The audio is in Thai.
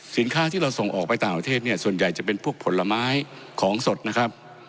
ที่เราส่งออกไปต่างประเทศเนี่ยส่วนใหญ่จะเป็นพวกผลไม้ของสดนะครับ